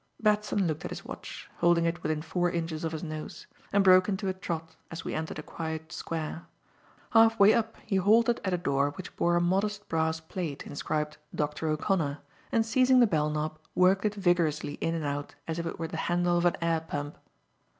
Batson looked at his watch holding it within four inches of his nose and broke into a trot as we entered a quiet square. Halfway up he halted at a door which bore a modest brass plate inscribed "Dr. O'Connor," and seizing the bell knob, worked it vigorously in and out as if it were the handle of an air pump.